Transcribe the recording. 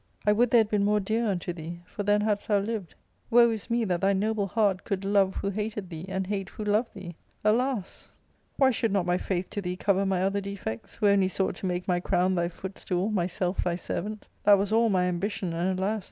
I would they had been more dear unto thee, for then hadst thou lived. Woe is me that thy noble heart could love who hated thee, and hate who loved thee ! Alas ! why should not my 360 ARCADIA.— Book IlL faith to thee cover my other defects, who only sought to make my crown thy foot stool, myself thy servant ? That was all my ambition, and, alas